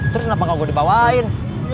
terus kenapa gak gue dibawain